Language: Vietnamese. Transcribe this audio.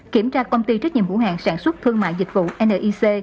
kiểm tra công ty trách nhiệm hữu hàng sản xuất thương mại dịch vụ nic